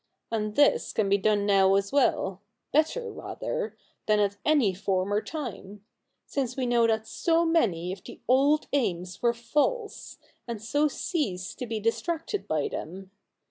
And this can be done now as well — better, rather — than at any former time ; since we know that so many of the old aim.s were false, and so cease to be distracted by them.